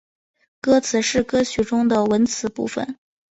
歌词是歌曲中的文词部分。